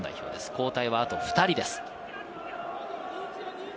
交代はあと２人です。